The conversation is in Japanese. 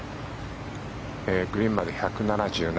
グリーンまで１７７。